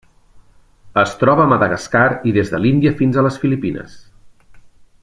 Es troba a Madagascar i des de l'Índia fins a les Filipines.